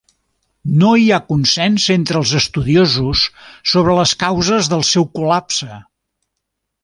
No hi ha consens entre els estudiosos sobre les causes del seu col·lapse.